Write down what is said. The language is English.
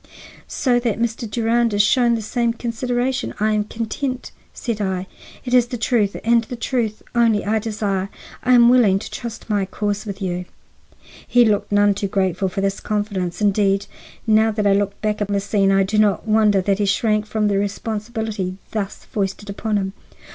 "So that Mr. Durand is shown the same consideration, I am content," said I. "It is the truth and the truth only I desire. I am willing to trust my cause with you." He looked none too grateful for this confidence. Indeed, now that I look back on this scene, I do not wonder that he shrank from the responsibility thus foisted upon him.